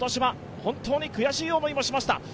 本当に悔しい思いもしました。